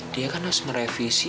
dia kan harus merevisi